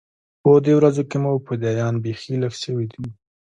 په دې ورځو کښې مو فدايان بيخي لږ سوي وو.